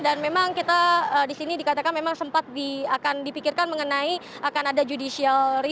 dan memang kita di sini dikatakan memang sempat akan dipikirkan mengenai akan ada judicial